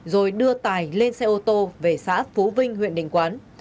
rồi đưa tài lên xe ô tô về xã phú vinh huyện đình quán